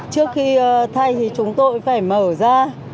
trước khi thay thì chúng tôi phải mở ra